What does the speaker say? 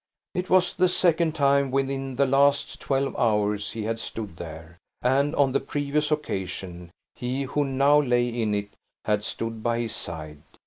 It was the second time within the last twelve hours he had stood there; and, on the previous occasion, he who now lay in it, had stood by his side.